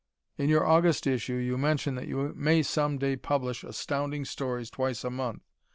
In your August issue you mention that you may some day publish Astounding Stories twice a month.